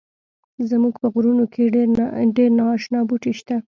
زمونږ په غرونو کښی ډیر ناشنا بوټی شته